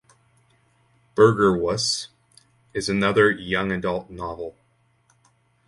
"Burger Wuss" is another young adult novel.